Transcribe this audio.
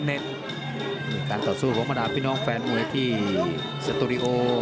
มาดาวพี่น้องแฟนมวยที่สตูริโอ